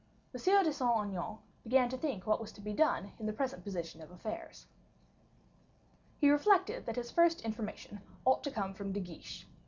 M. de Saint Aignan began to think what was to be done in the present position of affairs. He reflected that his first information ought to come from De Guiche.